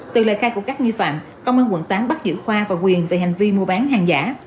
từ lời khai của các nghi phạm công an quận tám bắt giữ khoa và quyền về hành vi mua bán hàng giả